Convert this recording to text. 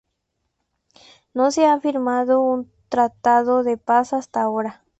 No se ha firmado un tratado de paz hasta ahora.